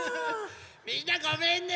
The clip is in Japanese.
みんなごめんね。